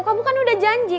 kamu kan udah janji